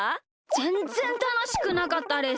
ぜんぜんたのしくなかったです。